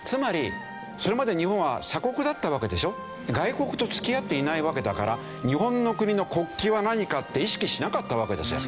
外国と付き合っていないわけだから日本の国の国旗は何かって意識しなかったわけですよ。